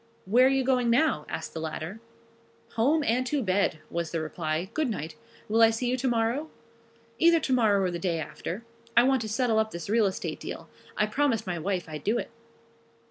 "Where are you going now?" asked the latter. "Home and to bed," was the reply. "Goodnight. Will I see you to morrow?" "Either to morrow or the day after. I want to settle up this real estate deal. I promised my wife I'd do it."